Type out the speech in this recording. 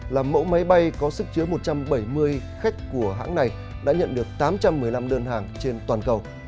là mẫu máy bay có sức chứa một trăm bảy mươi khách của hãng này đã nhận được tám trăm một mươi năm đơn hàng trên toàn cầu